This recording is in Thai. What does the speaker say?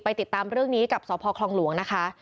ติดตามเรื่องนี้กับสพคลองหลวงนะคะ